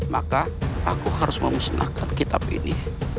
maka aku harus memusnahkan kitab ini